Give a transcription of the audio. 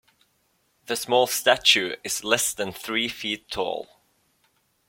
The small statue is less than three feet tall.